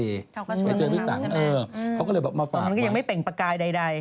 เขาก็ชวนตั้งใช่ไหมอืมมันก็ยังไม่เป็นประกายใด